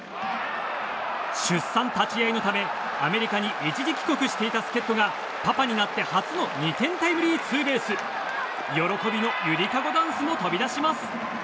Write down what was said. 出産立ち合いのためアメリカに一時帰国していた助っ人がパパになって初の２点タイムリーツーベース喜びのゆりかごダンスも飛び出します。